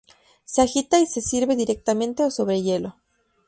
Se agita y se sirve directamente o sobre hielo.